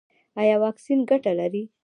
ایا واکسین ګټه لري؟